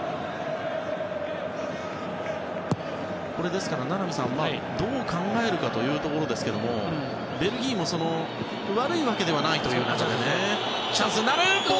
ですからどう考えるかというところですけれどもベルギーも悪いわけではないという中で。